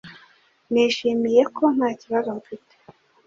Nishimiye ko nta kibazo mfite